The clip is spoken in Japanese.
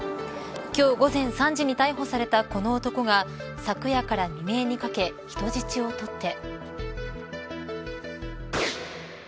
今日午前３時に逮捕されたこの男が昨夜から未明にかけ人質を取って。